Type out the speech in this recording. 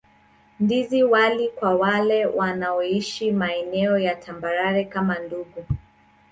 Ndizi wali kwa wale wanaoishi maeneo ya tambarare kama Ndungu